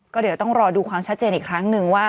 ก็เดี๋ยวต้องรอดูความชัดเจนอีกครั้งนึงว่า